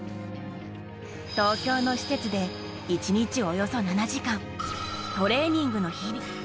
東京の施設で１日およそ７時間、トレーニングの日々。